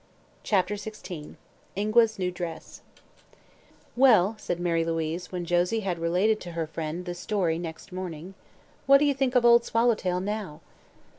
CHAPTER XVI INGUA'S NEW DRESS "Well," said Mary Louise, when Josie had related to her friend the story next morning, "what do you think of Old Swallowtail now?"